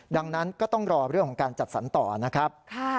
ดังนั้นก็ต้องรอเรื่องของการจัดสรรต่อนะครับ